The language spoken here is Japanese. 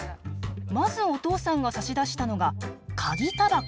まずお父さんが差し出したのが嗅ぎタバコ。